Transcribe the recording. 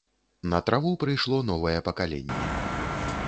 На траву прыйшло новае пакаленне.